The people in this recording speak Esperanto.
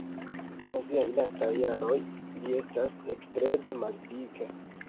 En siaj lastaj jaroj li estas ekstreme maldika.